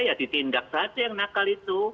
ya ditindak saja yang nakal itu